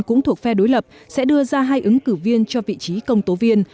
cũng thuộc phe đối lập sẽ đưa ra hai ứng cử viên cho vị trí công tố viên